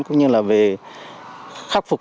cũng như là về khắc phục